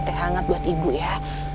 teh hangat buat ibu ya